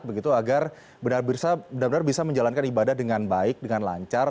begitu agar benar benar bisa menjalankan ibadah dengan baik dengan lancar